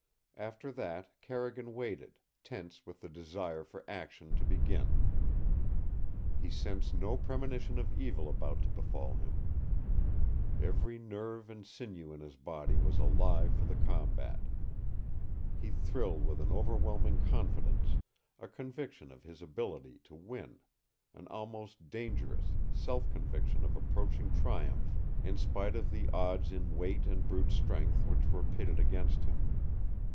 After that Carrigan waited, tense with the desire for action to begin. He sensed no premonition of evil about to befall him. Every nerve and sinew in his body was alive for the combat. He thrilled with an overwhelming confidence, a conviction of his ability to win, an almost dangerous, self conviction of approaching triumph in spite of the odds in weight and brute strength which were pitted against him.